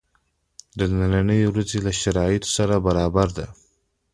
د نني ورځی له شرایطو سره برابره ده.